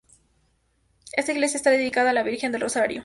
Esta iglesia está dedicada a la Virgen del Rosario.